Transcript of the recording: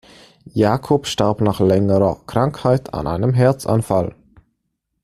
Jacob starb nach längerer Krankheit an einem Herzanfall.